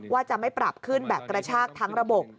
ว่าจะไม่ปรับขึ้นแบบกระชากทั้งระบบ